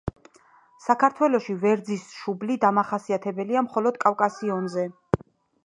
საქართველოში „ვერძის შუბლი“ დამახასიათებელია მხოლოდ კავკასიონზე.